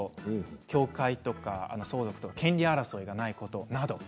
境界とか相続とか権利争いがないことなど。